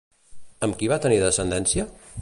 Amb qui va tenir descendència?